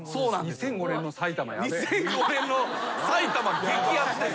２００５年の埼玉激アツです。